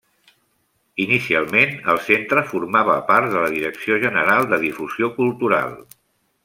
Inicialment, el Centre formava part de la Direcció General de Difusió Cultural.